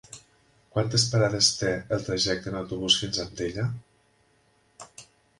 Quantes parades té el trajecte en autobús fins a Antella?